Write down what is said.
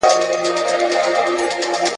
ستا نه شتون دئ او هوا هم باراني ده